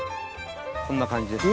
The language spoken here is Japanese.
こんな感じです。